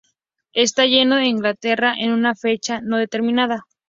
Ella llegó a Inglaterra en una fecha no determinada.